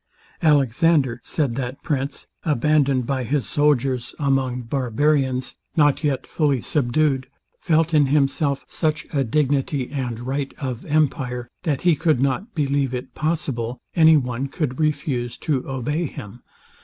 "ALEXANDER," said that prince, "abandoned by his soldiers, among barbarians, not yet fully subdued, felt in himself such a dignity of right and of empire, that he could not believe it possible any one could refuse to obey him.